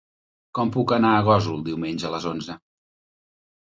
Com puc anar a Gósol diumenge a les onze?